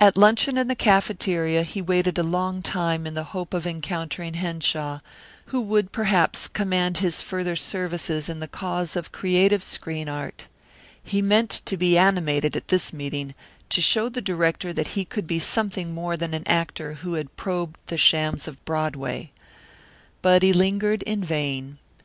At luncheon in the cafeteria he waited a long time in the hope of encountering Henshaw, who would perhaps command his further services in the cause of creative screen art. He meant to be animated at this meeting, to show the director that he could be something more than an actor who had probed the shams of Broadway. But he lingered in vain.